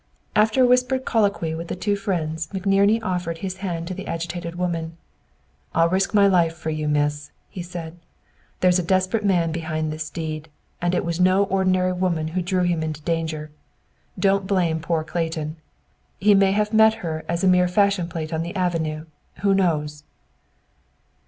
After a whispered colloquy with the two friends, McNerney offered his hand to the agitated woman. "I'll risk my life for you, Miss," he said. "There's a desperate man behind this deed. And it was no ordinary woman who drew him into danger. Don't blame poor Clayton. He may have met her as a mere fashion plat on the Avenue. Who knows?"